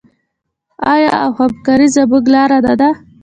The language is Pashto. آیا او همکاري زموږ لاره نه ده؟